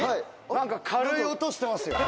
「なんか軽い音してますよ」